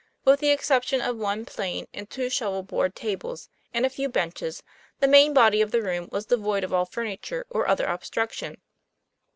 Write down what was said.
With the exception of one plain and two shovel board tables, and a few benches, the main body of the room was devoid of all furniture or other obstruc tion.